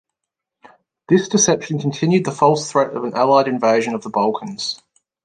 This deception continued the false threat of an Allied invasion of the Balkans.